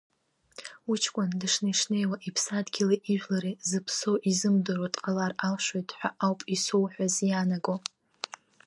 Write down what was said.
Уҷкәын дышнеи-шнеиуа иԥсадгьыли ижәлари зыԥсоу изымдыруа дҟалар алшоит ҳәа ауп исоуҳәаз иаанаго.